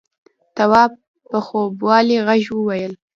تواب په خوبولي غږ وويل: